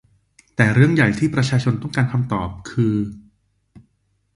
แต่เรื่องใหญ่ที่ประชาชนต้องการคำตอบ คือ